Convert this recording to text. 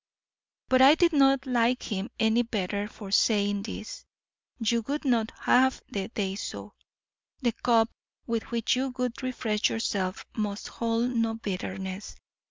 But I did not like him any the better for saying this. YOU would not halve the day so. The cup with which you would refresh yourself must hold no bitterness.